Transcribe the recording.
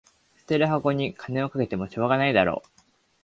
捨てる箱に金かけてもしょうがないだろ